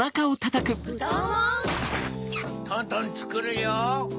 トントンつくるよ。